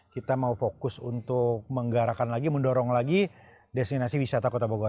kita mau fokus untuk menggarakkan lagi mendorong lagi desinasi wisata kota bogos